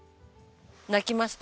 泣きました。